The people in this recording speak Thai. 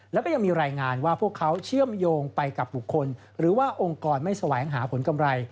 แล้วก็ยังมีรายงานว่าพวกเขาเชื่อมโยงไปกับบุคคลหรือว่าองค์กรไม่แสวงหาผลกำไร